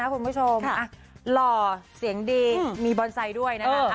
คุณผู้ชมหล่อเสียงดีมีบอนไซค์ด้วยนะคะ